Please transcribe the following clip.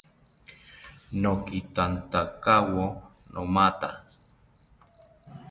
Nokithatakawo nomatha